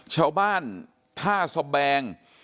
ชาวบ้านภาสบแบง